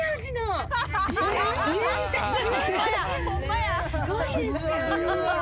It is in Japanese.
ああすごいですよ